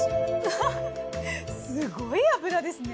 ハハッすごい脂ですね。